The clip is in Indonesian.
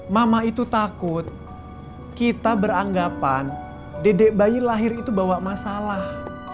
mama itu takut kita beranggapan dedek bayi lahir itu bawa masalah